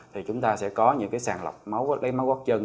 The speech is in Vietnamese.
thì chúng ta sẽ có những cái sàng lọc lấy máu gót chân